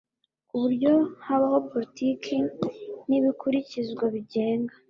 ku buryo habaho politiki n ibikurikizwa bigenga